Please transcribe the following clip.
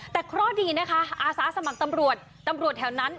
แต่เคราะห์ดีนะคะอาสาสมัครตำรวจตำรวจแถวนั้น